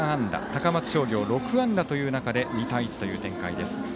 高松商業６安打という中で２対１という展開です。